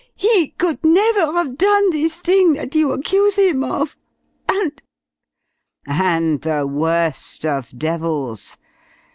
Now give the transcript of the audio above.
He could never have done this thing that you accuse him of and " "And the worst of devils!